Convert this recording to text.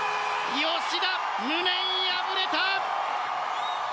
吉田無念敗れた！